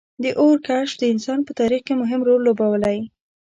• د اور کشف د انسان په تاریخ کې مهم رول لوبولی.